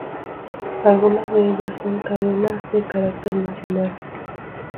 Algunas de ellas son cadenas de carácter nacional.